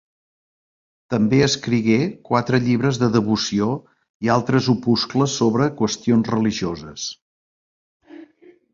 També escrigué quatre llibres de devoció i altres opuscles sobre qüestions religioses.